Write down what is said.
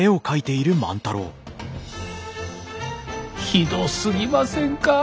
ひどすぎませんか？